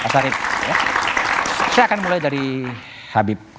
saya akan mulai dari habib